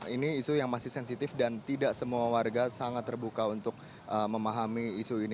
ini isu yang masih sensitif dan tidak semua warga sangat terbuka untuk memahami isu ini